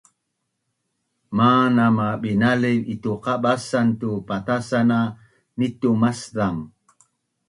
manam ma binaliv itu qabasan tu patasan na ni tu maczang